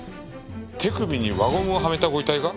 手首に輪ゴムをはめたご遺体が？